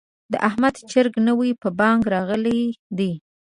د احمد چرګ نوی په بانګ راغلی دی.